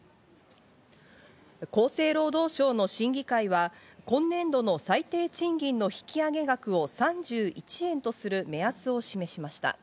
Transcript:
厚生労働省の審議会は、今年度の最低賃金の引き上げ額を３１円とする目安を示しました。